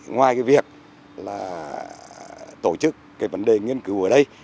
ngoài việc tổ chức vấn đề nghiên cứu ở đây